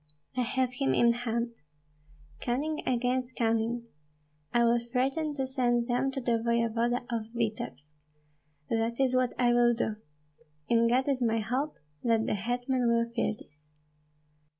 I have him in hand. Cunning against cunning! I will threaten to send them to the voevoda of Vityebsk. That is what I will do. In God is my hope, that the hetman will fear this."